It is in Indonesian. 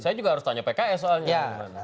saya juga harus tanya pks soalnya